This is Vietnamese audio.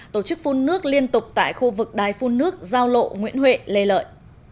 tổ chức phun nước liên tục tại khu vực đài phun nước giao lộ nguyễn huệ lê lợi